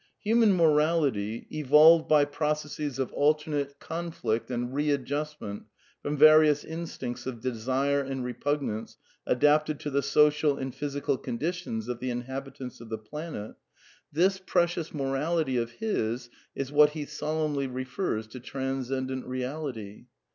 Human morality, evolved by processes of alter nate conflict and readjustmept from various instincts of desire and repugnance adapted to the social and physical conditions of the inhabitants of this planet, this precious 148 A DEFENCE OF IDEALISM morality of his is what he solemnly refers to transcendent Eeality.